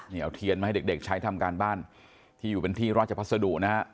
นี่เอาเทียนมาให้เด็กใช้ทำการบ้านที่อยู่เป็นที่ราชพัสดุนะฮะ